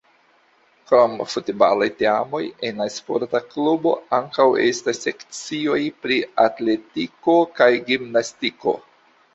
Krom futbalaj teamoj en la sporta klubo ankaŭ estas sekcioj pri atletiko kaj gimnastiko.